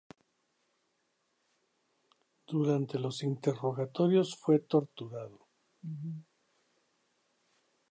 Durante los interrogatorios, fue torturado.